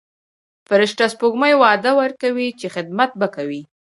فرشته سپوږمۍ وعده ورکوي چې خدمت به کوي.